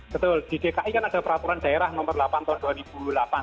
betul di dki kan ada peraturan daerah nomor delapan tahun dua ribu delapan